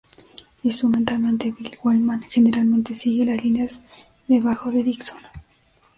Instrumentalmente, Bill Wyman generalmente sigue las líneas de bajo de Dixon.